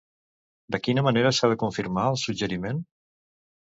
De quina manera s'ha de confirmar el suggeriment?